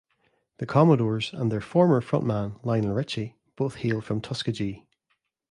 The Commodores and their former front man Lionel Richie both hail from Tuskegee.